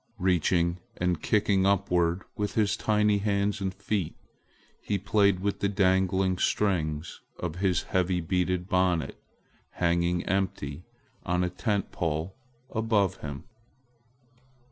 Reaching and kicking upward with his tiny hands and feet, he played with the dangling strings of his heavy beaded bonnet hanging empty on a tent pole above him.